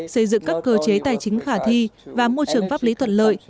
xây dựng các cơ chế tài chính khả thi và môi trường pháp lý thuận lợi